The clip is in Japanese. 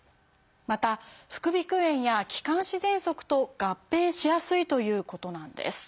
また副鼻腔炎や気管支ぜんそくと合併しやすいということなんです。